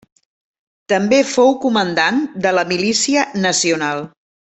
També fou comandant de la Milícia Nacional.